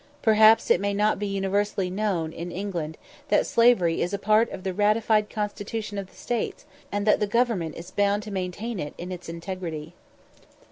Perhaps it may not be universally known in England that slavery is a part of the ratified Constitution of the States, and that the Government is bound to maintain it in its integrity.